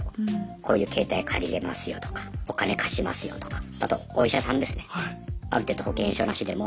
こういう携帯借りれますよとかお金貸しますよとかあとお医者さんですねある程度保険証なしでも。